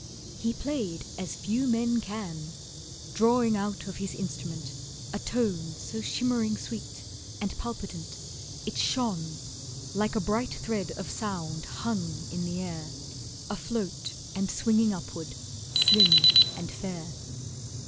He played as few men can, Drawing out of his instrument a tone So shimmering sweet and palpitant, it shone Like a bright thread of sound hung in the air, Afloat and swinging upward, slim and fair.